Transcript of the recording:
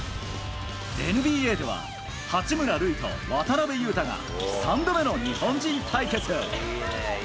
ＮＢＡでは、八村塁と渡邊雄太が３度目の日本人対決。